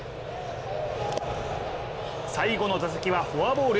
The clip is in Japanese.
最後の打席はフォアボール。